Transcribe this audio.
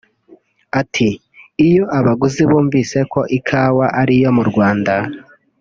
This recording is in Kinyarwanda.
Ati “Iyo abaguzi bumvise ko ikawa ari iyo mu Rwanda